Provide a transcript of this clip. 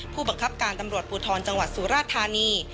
ผู้บังคับการตำรวจภูทรจังหวัดสุราธานี